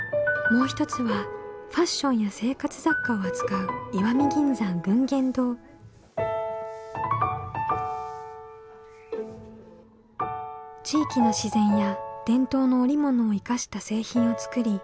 もう一つはファッションや生活雑貨を扱う地域の自然や伝統の織物を生かした製品を作り